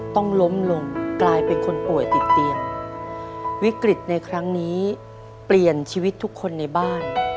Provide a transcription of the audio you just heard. ต้องล้มลงกลายเป็นคนป่วยติดเตียงวิกฤตในครั้งนี้เปลี่ยนชีวิตทุกคนในบ้าน